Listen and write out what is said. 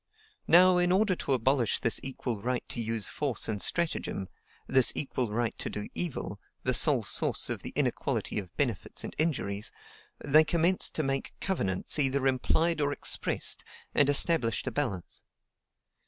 Now, in order to abolish this equal right to use force and stratagem, this equal right to do evil, the sole source of the inequality of benefits and injuries, they commenced to make COVENANTS EITHER IMPLIED OR EXPRESSED, and established a balance.